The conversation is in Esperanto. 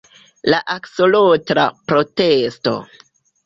La aksolotla protesto